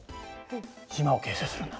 島を形成するんだ。